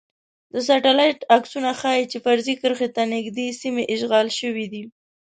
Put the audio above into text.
د سټلایټ عکسونه ښايی چې فرضي کرښې ته نږدې سیمې اشغال شوي دي